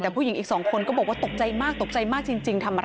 แต่ผู้หญิงอีกสองคนก็บอกว่าตกใจมากจริง